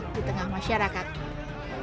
ketika diperkenalkan setia novanto mencari penyelamat